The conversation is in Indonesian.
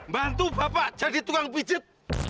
bantu bapak jadi tukang pijit